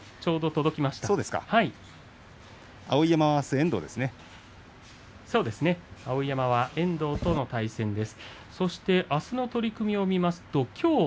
碧山はあすは遠藤との対戦です。